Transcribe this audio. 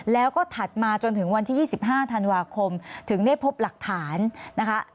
แล้วก็ถัดมาจนถึงวันที่๒๕ธันวาคมถึงได้พบหลักฐานนะคะ